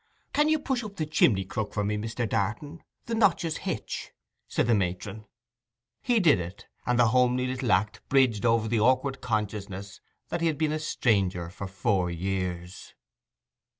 'Can you push up the chimney crook for me, Mr Darton? the notches hitch,' said the matron. He did it, and the homely little act bridged over the awkward consciousness that he had been a stranger for four years.